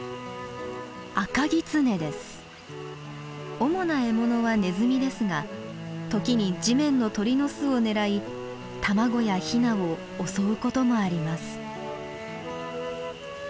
主な獲物はネズミですが時に地面の鳥の巣を狙い卵やひなを襲うこともあります。